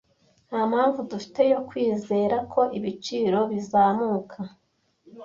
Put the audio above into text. Ntampamvu dufite yo kwizera ko ibiciro bizamuka.